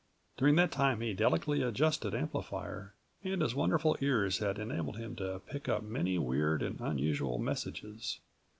During that time his delicately adjusted amplifier and his wonderful ears had enabled him to pick up many weird and unusual messages.